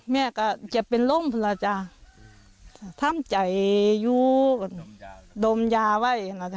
แม่ก็จะเป็นลมแล้วจ้ะทำใจอยู่ดมยาไว้นะจ๊